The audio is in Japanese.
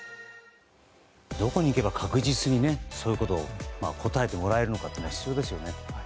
どこに行けば確実にそういうことを答えてもらえるのかというのは必要ですね。